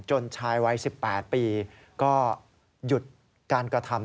ชายวัย๑๘ปีก็หยุดการกระทำ